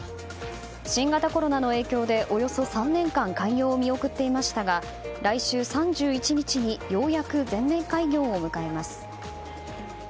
新型コロナの影響でおよそ３年間開業を見送っていましたが来週３１日にようやく全面開業を迎えます。